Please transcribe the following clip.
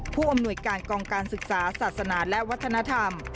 ผู้อำนวยการกองการศึกษาศาสนาและวัฒนธรรม